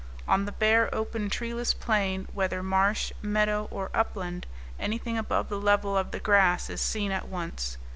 On the bare, open, treeless plain, whether marsh, meadow, or upland, anything above the level of the grass is seen at once.